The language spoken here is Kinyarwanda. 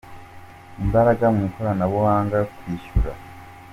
imbaraga mu ikoranabuhanga, kwishyura.